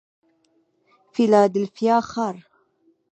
فیلادلفیا ښار